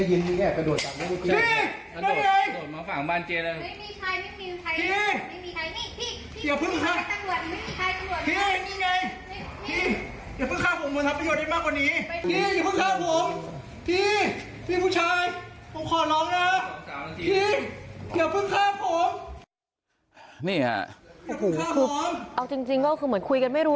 อย่าเพิ่งฆ่าผมนี่ฮะเอาจริงก็คือเหมือนคุยกันไม่รู้